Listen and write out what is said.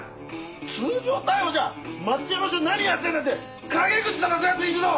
通常逮捕じゃ町山署何やってんだって陰口たたくヤツいるぞ！